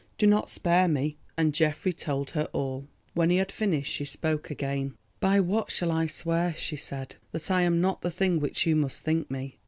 Do not spare me." And Geoffrey told her all. When he had finished she spoke again. "By what shall I swear," she said, "that I am not the thing which you must think me?